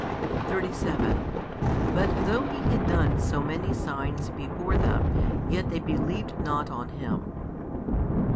37 But though He had done so many signs before them, yet they believed not on Him.